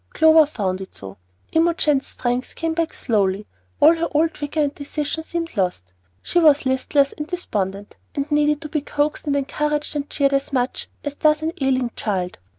Clover found it so. Imogen's strength came back slowly; all her old vigor and decision seemed lost; she was listless and despondent, and needed to be coaxed and encouraged and cheered as much as does an ailing child.